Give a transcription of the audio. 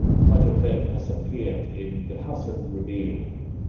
Much of it has appeared in The Hudson Review.